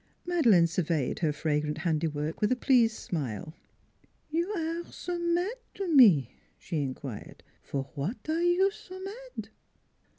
Madeleine surveyed her fragrant handiwork with a pleased smile. "You aire so mad to me?" she inquired. " For what aire you so mad?